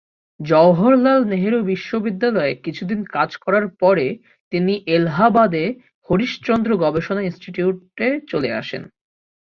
জওহরলাল নেহেরু বিশ্ববিদ্যালয়ে কিছুদিন কাজ করার পরে তিনি এলাহাবাদের হরিশ-চন্দ্র গবেষণা ইনস্টিটিউটে চলে আসেন।